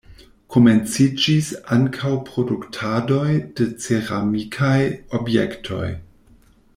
Komenciĝis ankaŭ produktadoj de ceramikaj objektoj.